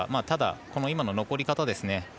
ただ、残り方ですね。